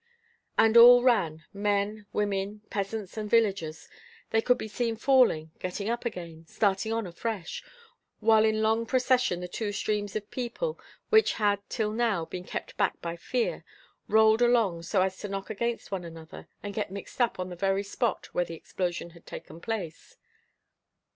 And all ran, men, women, peasants, and villagers. They could be seen falling, getting up again, starting on afresh, while in long procession the two streams of people, which had till now been kept back by fear, rolled along so as to knock against one another and get mixed up on the very spot where the explosion had taken place.